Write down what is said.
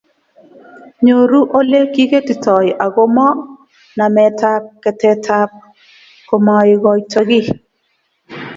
Nyoru Ole kiketitoi ago mo nametab ketetab komaikoito kiy